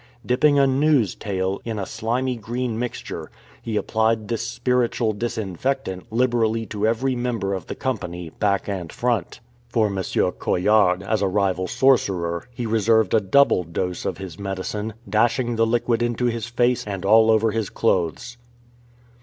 Dipping 150 IN KHAMA'S COUNTRY a gnu''s tail in a slimy green mixture, he applied this spiritual disinfectant liberally to every member of the company, back and front. For M. Coillard, as a rival sorcerer, he reserved a double dose of his medicine, dash ing the liquid into his face and all over his clothes.